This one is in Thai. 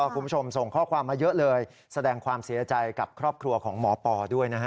คุณผู้ชมส่งข้อความมาเยอะเลยแสดงความเสียใจกับครอบครัวของหมอปอด้วยนะฮะ